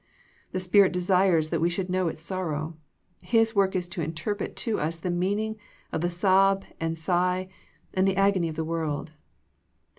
The Spirit desires that we should know its sorrow. His work is to interpret to us the meaning of the sob and sigh and the agony of the world.